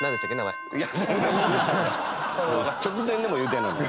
直前でも言うてるのに。